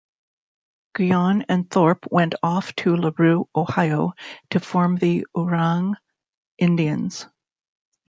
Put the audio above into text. Guyon and Thorpe went off to LaRue, Ohio to form the Oorang Indians.